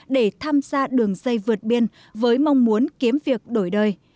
để tham gia đường dây vượt biên với mong muốn kiếm việc đổi đời